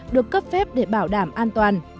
được cấp phép để bảo đảm an toàn